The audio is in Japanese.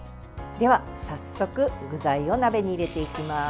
では早速具材を鍋に入れていきます。